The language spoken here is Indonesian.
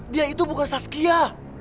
dia itu bukan saskia